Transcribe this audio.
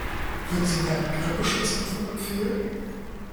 Würden Sie mir eine Grippeschutzimpfung empfehlen?